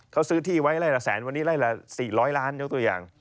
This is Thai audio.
เขาซื้อที่ไว้ไล่ละแสนวันนี้ไล่ละ๔๐๐ล้านยกตัวอย่าง